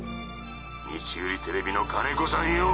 日売テレビの金子さんよぉ。